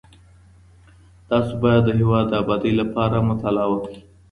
تاسو بايد د هېواد د ابادۍ لپاره مطالعه وکړئ.